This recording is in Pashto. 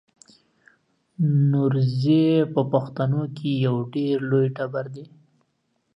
نورزی په پښتنو کې یو ډېر لوی ټبر دی.